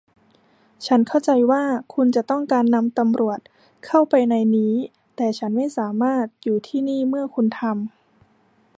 ฉันเข้าใจว่าคุณจะต้องการนำตำรวจเข้าไปในนี้ แต่ฉันไม่สามารถอยู่ที่นี่เมื่อคุณทำ